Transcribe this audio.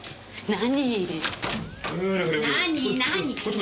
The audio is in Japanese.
何？